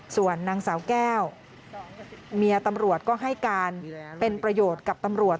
ส่วนนางสาวแก้วเมียตำรวจก็ให้การเป็นประโยชน์กับตำรวจ